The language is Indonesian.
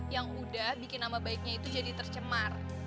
yang mudah bikin nama baiknya itu jadi tercemar